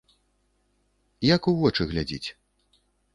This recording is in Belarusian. Як у вочы глядзіць?